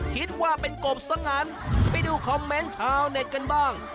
คิดว่าเป็นกบซะงั้นไปดูคอมเมนต์ชาวเน็ตกันบ้าง